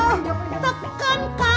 tekan kak andi